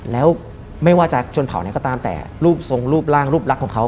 แล้วไม่ว่าจะชนเผาไหนก็ตามแต่รูปทรงรูปร่างรูปลักษณ์ของเขา